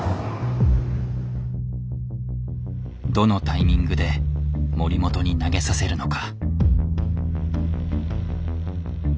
どのタイミングで森本に投げさせるのか。